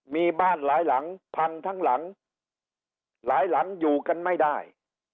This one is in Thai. มีบ้านหลายหลังพันทั้งหลังหลายหลังอยู่กันไม่ได้